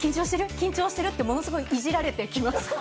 緊張してる？ってものすごいいじられてきました。